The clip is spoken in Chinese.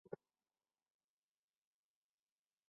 墨脱节肢蕨为水龙骨科节肢蕨属下的一个种。